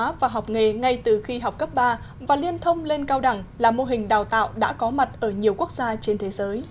học và học nghề ngay từ khi học cấp ba và liên thông lên cao đẳng là mô hình đào tạo đã có mặt ở nhiều quốc gia trên thế giới